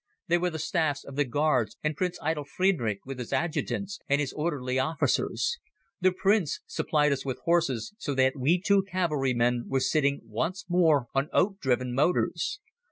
They were the staffs of the Guards and Prince Eitel Friedrich with his Adjutants and his Orderly Officers. The Prince supplied us with horses so that we two cavalrymen were sitting once more on oat driven motors.